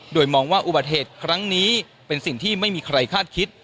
โดยมองว่าอุบัติเหตุครั้งนี้เป็นสิ่งที่ไม่มีใครคาดคิด